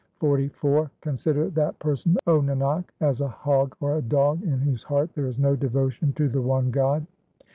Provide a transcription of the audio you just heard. XLIV Consider that person, O Nanak, as a hog or a dog In whose heart there is no devotion to the one God.